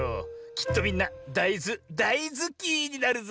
きっとみんなだいず「だいずき」になるぞ。